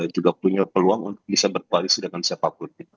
juga punya peluang untuk bisa berkoalisi dengan siapapun